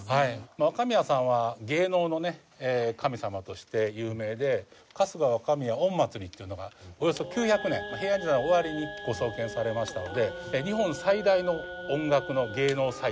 若宮さんは芸能の神様として有名で春日若宮おん祭っていうのがおよそ９００年平安時代の終わりにご創建されましたので日本最大の音楽の芸能祭典であります。